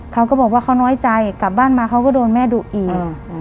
เขาก็บอกว่าเขาน้อยใจกลับบ้านมาเขาก็โดนแม่ดุอีก